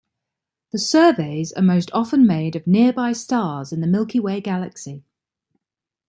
The surveys are most often made of nearby stars in the Milky Way Galaxy.